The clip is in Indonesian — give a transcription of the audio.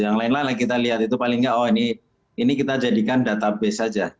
yang lain lain lah yang kita lihat itu paling enggak oh nih kita jadikan database saja